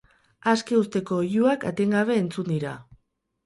Aske uzteko oihuak etengabe entzun dira.